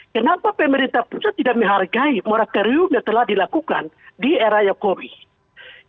kenapa pemerintah pusat tidak menghargai moratorium yang telah dilakukan di era covid